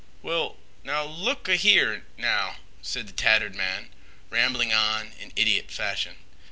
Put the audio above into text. "Well, now look—a—here—now," said the tattered man, rambling on in idiot fashion.